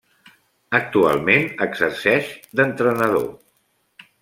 Actualment exerceix d'entrenador.